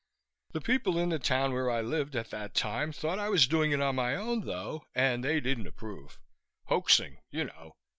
The people in the town where I lived, at that time, thought I was doing it on my own, though, and they didn't approve. Hoaxing you know?